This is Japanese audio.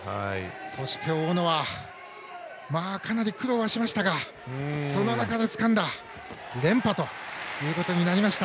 そして大野はかなり苦労はしましたがその中でつかんだ連覇となりました。